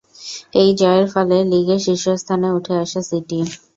এই জয়ের ফলে লীগে শীর্ষস্থানে উঠে আসে সিটি।